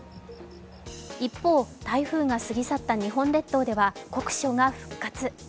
一方、台風が過ぎ去った日本列島では酷暑が復活。